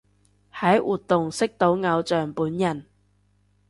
喺活動識到偶像本人